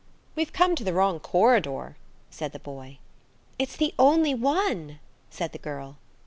"We've come to the wrong corridor," said the boy. "It's the only one," said the girl.